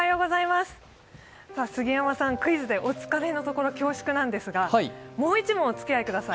杉山さん、クイズでお疲れのところ恐縮なんですがもう１問お付き合いください。